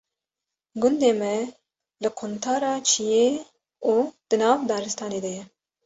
Gundê me li quntara çiyê û di nav daristanê de ye.